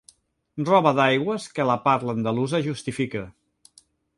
Roba d'aigües que la parla andalusa justifica.